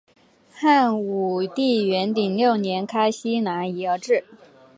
汉武帝元鼎六年开西南夷而置。